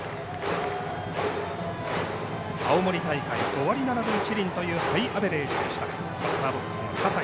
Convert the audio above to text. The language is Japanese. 青森大会、５割７分１厘というハイアベレージでしたバッターボックスの葛西。